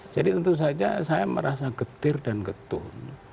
jadi tentu saja saya merasa getir dan getun